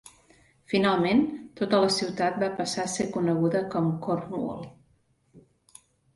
Finalment, tota la ciutat va passar a ser coneguda com Cornwall.